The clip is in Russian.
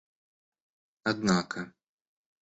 однако